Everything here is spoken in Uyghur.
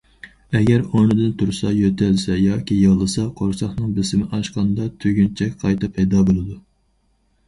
ئەگەر ئورنىدىن تۇرسا، يۆتەلسە ياكى يىغلىسا، قورساقنىڭ بېسىمى ئاشقاندا تۈگۈنچەك قايتا پەيدا بولىدۇ.